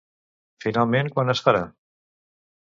Finalment, quan es farà?